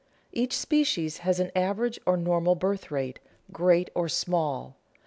Each species has an average or normal birth rate, great or small.